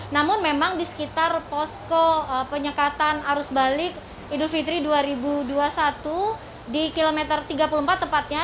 namun memang di sekitar posko penyekatan arus balik idul fitri dua ribu dua puluh satu di kilometer tiga puluh empat tepatnya